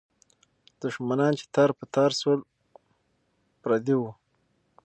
دښمنان چې تار په تار سول، پردي وو.